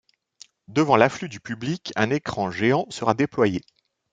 Devant l’afflux du public, un écran géant sera déployé.